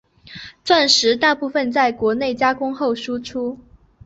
钻石大部份在国内加工后输出。